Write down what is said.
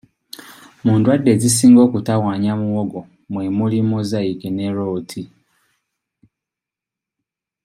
Mu ndwadde ezisinga okutawaanya muwogo mwe muli Mosaic ne Rot.